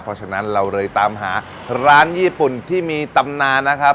เพราะฉะนั้นเราเลยตามหาร้านญี่ปุ่นที่มีตำนานนะครับ